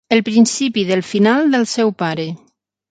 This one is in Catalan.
El principi del final del seu pare.